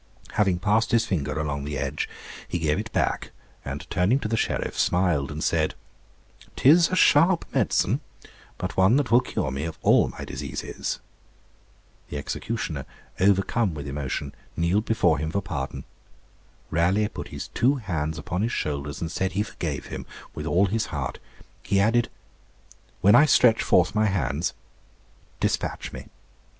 Having passed his finger along the edge, he gave it back, and turning to the Sheriff, smiled, and said, ''Tis a sharp medicine, but one that will cure me of all my diseases.' The executioner, overcome with emotion, kneeled before him for pardon. Raleigh put his two hands upon his shoulders, and said he forgave him with all his heart. He added, 'When I stretch forth my hands, despatch me.'